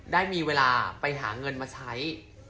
ได้มีเวลาไปหาเงินมาใช้